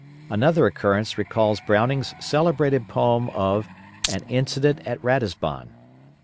Another occurrence recalls Browning's celebrated poem of "An Incident at Ratisbon."